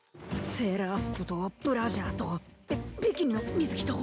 セーラー服とブラジャーとビビキニの水着と。